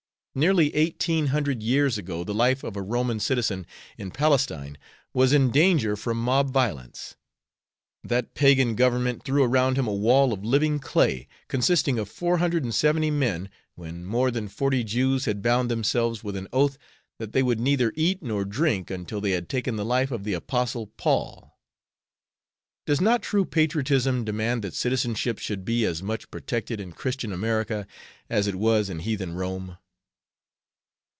Nearly eighteen hundred years ago the life of a Roman citizen in Palestine was in danger from mob violence. That pagan government threw around him a wall of living clay, consisting of four hundred and seventy men, when more than forty Jews had bound themselves with an oath that they would neither eat nor drink until they had taken the life of the Apostle Paul. Does not true patriotism demand that citizenship should be as much protected in Christian America as it was in heathen Rome?"